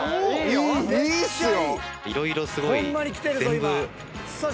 いいっすよ。